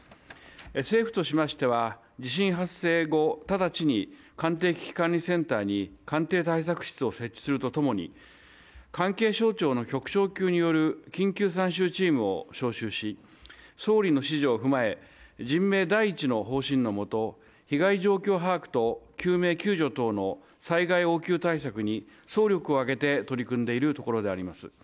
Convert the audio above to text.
政府としましては地震発生後直ちに官邸危機管理センターに官邸対策室を設置するとともに、関係省庁の局長級による緊急参集チームを招集し、総理の指示を踏まえ人命第一の方針のもと被害状況把握と救命救助等の災害応急対策に総力を挙げて取り組んでいるところであります。